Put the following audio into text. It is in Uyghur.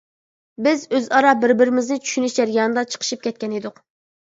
بىز ئۆزئارا بىر-بىرىمىزنى چۈشىنىش جەريانىدا، چىقىشىپ كەتكەنىدۇق.